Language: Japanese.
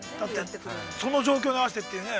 その状況に合わせてっていうね。